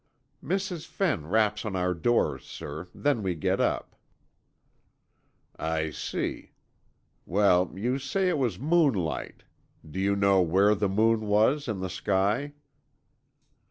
"Mrs. Fenn raps on our doors, sir, then we get up." "I see. Well, you say it was moonlight. Do you know where the moon was, in the sky?"